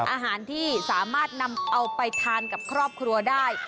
อาหารที่สามารถนำเอาไปทานกับครอบครัวได้